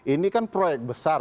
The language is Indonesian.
ini kan proyek besar